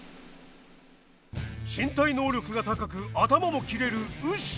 身体能力が高く頭も切れるウシ。